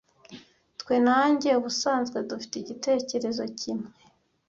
Twe na njye ubusanzwe dufite igitekerezo kimwe.